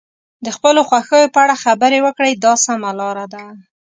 د خپلو خوښیو په اړه خبرې وکړئ دا سمه لاره ده.